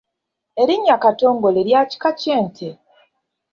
Erinnya Katongole lya kika ky'Ente.